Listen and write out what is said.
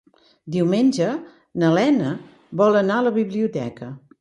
Diumenge na Lena vol anar a la biblioteca.